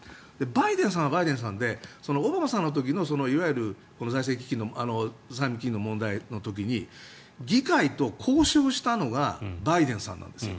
バイデンさんはバイデンさんでオバマさんの時に債務危機の問題の時に議会と交渉したのがバイデンさんなんですよ。